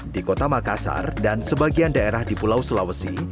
di kota makassar dan sebagian daerah di pulau sulawesi